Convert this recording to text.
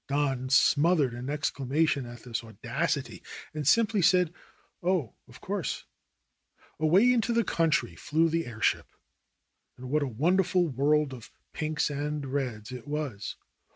Don smothered an exclamation at this audacity and simply said, "Oh, of course !" Away into the country flew the airship. And what a wonderful world of pinks and reds it was!